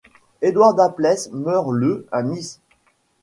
Édouard Dapples meurt le à Nice.